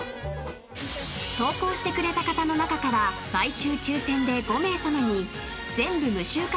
［投稿してくれた方の中から毎週抽選で５名さまに全部無臭化